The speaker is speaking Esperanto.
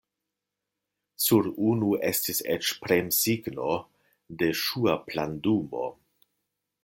Sur unu estis eĉ premsigno de ŝua plandumo.